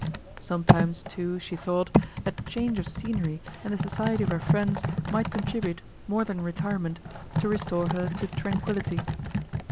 Sometimes, too, she thought, that change of scenery and the society of her friends might contribute, more than retirement, to restore her to tranquillity.